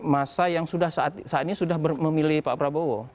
masa yang saat ini sudah memilih pak prabowo